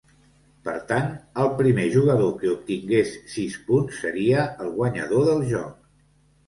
Per tant, el primer jugador que obtingués sis punts seria el guanyador del joc.